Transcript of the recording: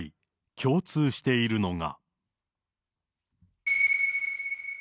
共通しているのが。